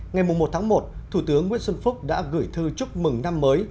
ngày một tháng một thủ tướng nguyễn xuân phúc đã gửi thư chúc mừng năm mới